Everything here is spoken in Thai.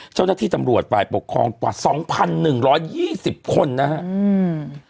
เจ้าหน้าที่ตำรวจฝ่ายปกครองกว่าสองพันหนึ่งร้อยยี่สิบคนนะฮะอืม